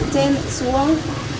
trên lại xuống